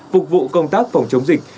phục vụ công tác phòng chống dịch